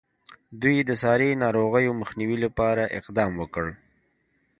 دوی د ساري ناروغیو مخنیوي لپاره اقدام وکړ.